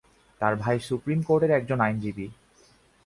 তাঁর ভাই সুপ্রিম কোর্টের একজন আইনজীবী।